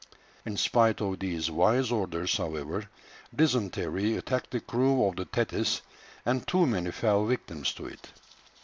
In spite of these wise orders, however, dysentery attacked the crew of the Thetis, and too many fell victims to it.